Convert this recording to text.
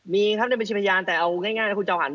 มีครับในบัญชีพยานแต่เอาง่ายคุณเจ้าหัน